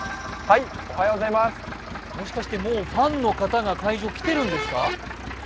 もしかしてもうファンの方が会場に来てるんですか？